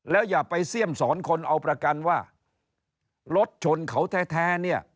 แล้วอย่าไปเสี่ยมสอนคนเอาประกันว่ารถชนเขาแท้เนี่ย